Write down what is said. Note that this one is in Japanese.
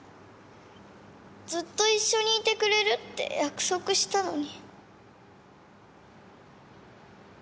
ずっと一緒にいてくれるって約束したのに。